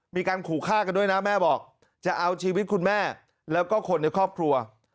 มีการขู่ฆ่ากันด้วยนะแม่บอกจะเอาชีวิตคุณแม่แล้วก็คนในครอบครัว